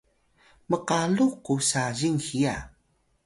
mkalux ku sazing hiya